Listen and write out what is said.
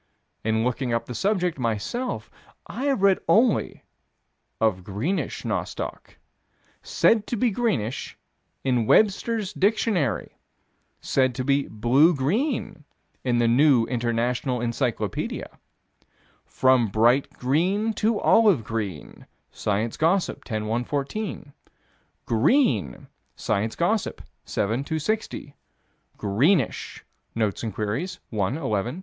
In looking up the subject, myself, I have read only of greenish nostoc. Said to be greenish, in Webster's Dictionary said to be "blue green" in the New International Encyclopedia "from bright green to olive green" (Science Gossip, 10 114); "green" (Science Gossip, 7 260); "greenish" (Notes and Queries, 1 11 219).